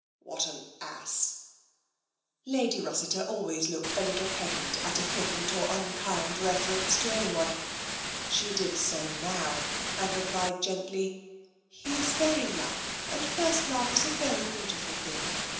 " What an ass !" Lady Rossiter always looked a little pained at a flippant or unkind reference to anyone. She did so now, and replied gently: " He is very young and first love is a very beautiful thing.